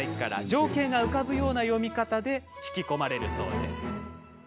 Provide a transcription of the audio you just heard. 情景が浮かぶような読み方で引き込まれるそうです。